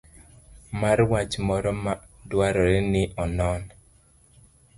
mar wach moro ma dwarore ni onon